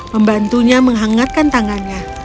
membantunya menghangatkan tangannya